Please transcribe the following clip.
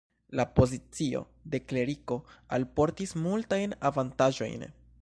La pozicio de kleriko alportis multajn avantaĝojn.